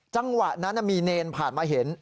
จังหวะนั้นมีเนรผ่านมาเห็น